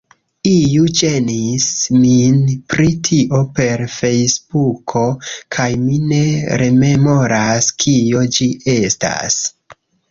Iu ĝenis min pri tio per Fejsbuko kaj mi ne rememoras, kio ĝi estas